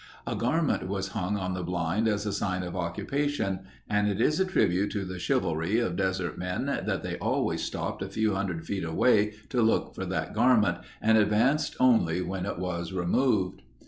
A garment was hung on the blind as a sign of occupation and it is a tribute to the chivalry of desert men that they always stopped a few hundred feet away to look for that garment, and advanced only when it was removed.